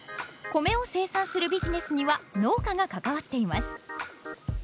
米を生産するビジネスには農家が関わっています。